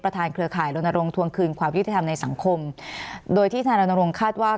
เครือข่ายรณรงค์ทวงคืนความยุติธรรมในสังคมโดยที่ธนายรณรงค์คาดว่า